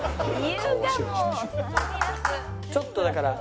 ちょっとだから。